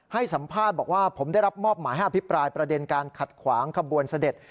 ให้สัมภาษณ์บอกว่าผมได้รับมอบหมายให้อภิปรายประเด็นการขัดขวางขบวนเสด็จ